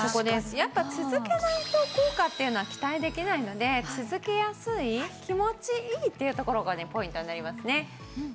やっぱり続けないと効果っていうのは期待できないので続けやすい気持ちいいっていうところがねポイントになりますね。